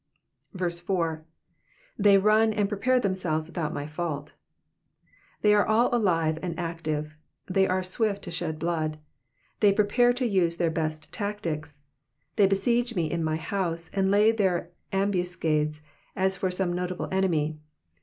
4. *^^They run and prepare themselves without my fault."* ^ They are all alive and active, they are swift to shed blood. They prepare and use their best tactics ; they besiege me in my house, and lay their ambuscades as for some notable enemy.